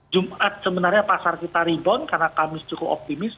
jumat sebenarnya pasar kita rebound karena kami cukup optimis